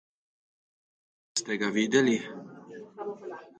Ste ga videli?